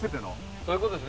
そういうことですね